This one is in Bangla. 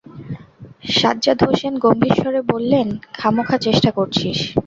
সাজ্জাদ হোসেন গম্ভীর স্বরে বললেন, খামোেকা চেষ্টা করছিস।